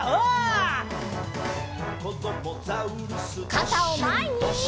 かたをまえに！